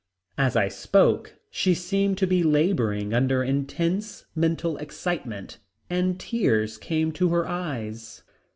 As I spoke she seemed to be laboring under intense mental excitement and tears came to her eyes.